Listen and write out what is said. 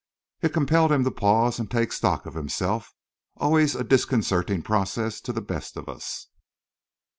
It compelled him to pause and take stock of himself always a disconcerting process to the best of us!